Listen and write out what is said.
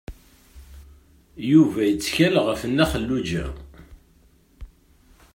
Yuba yettkal ɣef Nna Xelluǧa.